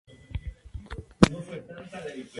Un nivel correspondiente al bronce final.